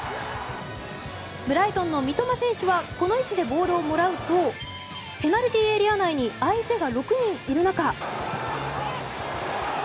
ブライトンの三笘選手はこの位置でボールをもらうとペナルティーエリア内に相手が６人いる中。